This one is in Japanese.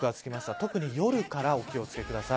特に夜からお気を付けください。